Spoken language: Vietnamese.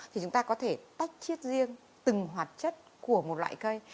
thì chúng ta có thể tách chiết riêng từng hoạt chất của một loại cây